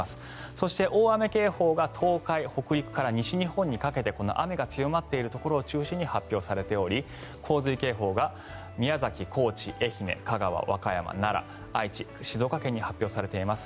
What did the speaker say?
そして、大雨警報が東海、北陸から西日本にかけて雨が強まっているところを中心に発表されており洪水警報が宮崎、高知、愛媛、香川和歌山、奈良、愛知、静岡県に発表されています。